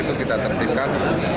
itu kita terdipkan